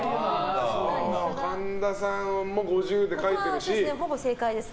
神田さんも５０で書いてるし。